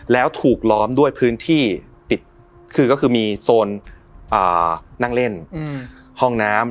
แล้วถูกล้อมด้วยพื้นที่ปิดคือก็คือมีโซนนั่งเล่นห้องน้ำ